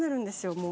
もう。